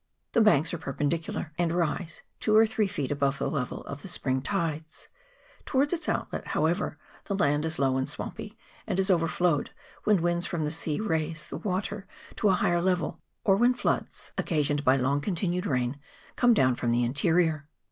The banks are per pendicular, and rise two or three feet above the level of the spring tides ; towards its outlet, how ever, the land is low and swampy, and is overflowed when winds from the sea raise the water to a higher levM, or when floods, occasioned by long continued rain, come down from the interior.